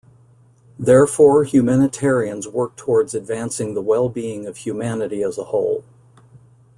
Therefore, humanitarians work towards advancing the well-being of humanity as a whole.